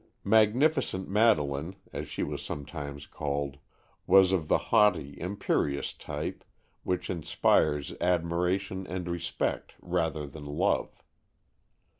Magnificent Madeleine, as she was sometimes called, was of the haughty, imperious type which inspires admiration and respect rather than love.